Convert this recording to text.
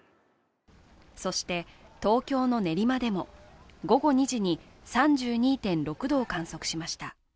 そして、東京の練馬でも午後２時に３２．６度を観測しました。